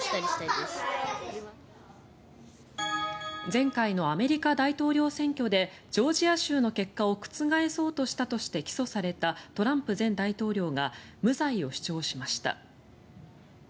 前回のアメリカ大統領選挙でジョージア州の結果を覆そうとしたとして起訴されたトランプ前大統領が無罪を主張しました。